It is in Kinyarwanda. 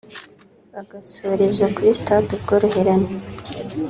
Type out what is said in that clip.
bagasoreza kuri Stade Ubworoherane